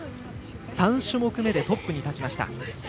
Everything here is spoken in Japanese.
３種目めでトップに立ちました。